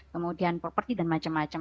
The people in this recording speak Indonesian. kemudian properti dan macam macam